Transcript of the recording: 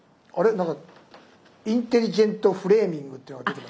なんかインテリジェントフレーミングっていうのが出てきます。